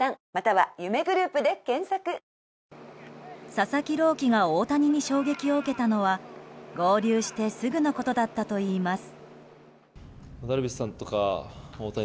⁉佐々木朗希が大谷に衝撃を受けたのは合流してすぐのことだったといいます。